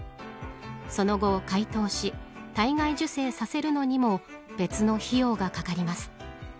その後、解凍し体外受精をさせるのにも別の費用がかかります。